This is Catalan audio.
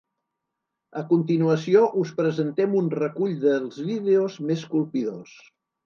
A continuació us presentem un recull dels vídeos més colpidors.